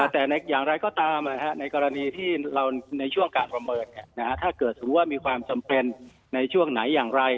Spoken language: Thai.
แต่อย่างไรก็ตามในกรณีที่เราในช่วงการประเมินถ้าเกิดสมมุติว่ามีความจำเป็นในช่วงไหนอย่างไร